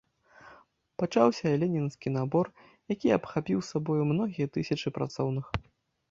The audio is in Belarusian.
Пачаўся ленінскі набор, які абхапіў сабою многія тысячы працоўных.